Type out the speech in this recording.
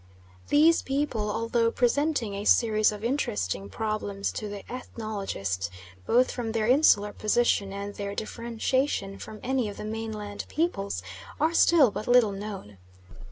These people, although presenting a series of interesting problems to the ethnologist, both from their insular position, and their differentiation from any of the mainland peoples, are still but little known.